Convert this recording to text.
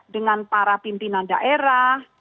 dengan para pimpinan daerah